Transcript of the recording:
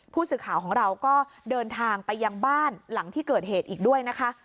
ผู้สื่อข่าวของเราก็เดินทางไปยังบ้านหลังที่เกิดเหตุอีกด้วยนะคะ